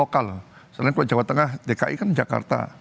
kalau di jawa tengah dki kan jakarta